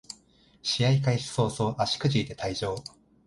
試合開始そうそう足くじいて退場